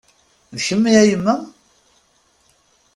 D kemmi a yemma?